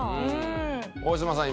大島さん